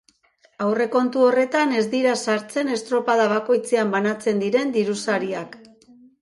Aurrekontu horretan ez dira sartzen estropada bakoitzean banatzen diren diru sariak.